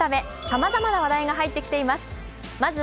さまざまな話題が入ってきています。